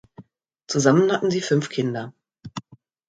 Zusammen hatten sie fünf Kinder.